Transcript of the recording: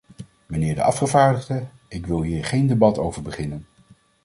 Mijnheer de afgevaardigde, ik wil hier geen debat over beginnen.